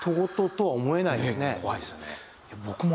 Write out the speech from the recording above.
怖いですよね。